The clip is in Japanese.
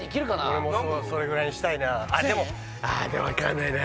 俺もそれぐらいにしたいなでも１０００円？ああでも分かんないな